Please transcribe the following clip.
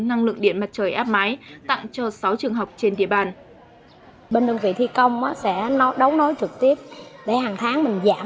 năng lượng điện mặt trời áp mái tặng cho sáu trường học trên địa bàn